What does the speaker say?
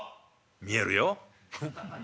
「見えるよ」。